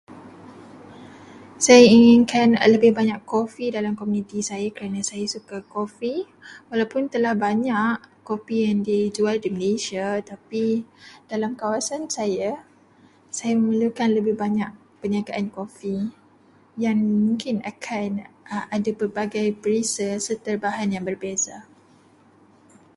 Saya inginkan lebih banyak coffee dalam komuniti saya kerana saya suka coffee. Walaupun telah banyak kopi yang dijual di Malaysia, tapi dalam kawasan saya, say amemerlukan lebih banyak perniagaan coffee, yang mungkin akan ada pelbagai perisa serta bahan yang berbeza.